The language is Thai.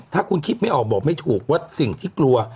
ถ้าคุณคิดไม่ออกบอกไม่ถูกว่าสิ่งที่กลัว